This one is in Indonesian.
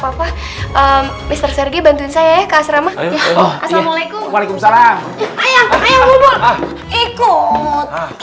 apa apa mister sergi bantuin saya ke asrama assalamualaikum waalaikumsalam ikut ikut